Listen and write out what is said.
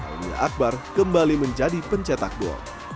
aulia akbar kembali menjadi pencetak gol